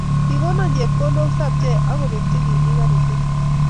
Kokono chepkondok sapchei ak kopek che kimii karit orit